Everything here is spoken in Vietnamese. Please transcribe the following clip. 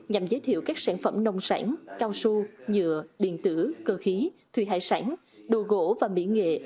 nhằm giới thiệu các sản phẩm nông sản cao su nhựa điện tử cơ khí thủy hải sản đồ gỗ và mỹ nghệ